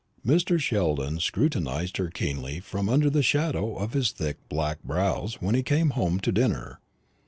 Mr. Sheldon scrutinised her keenly from under the shadow of his thick black brows when he came home to dinner.